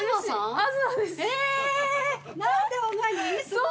そう！